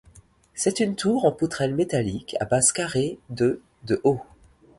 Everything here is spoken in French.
C'est une tour en poutrelles métalliques, à base carrée, de de haut.